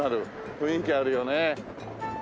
雰囲気あるよね。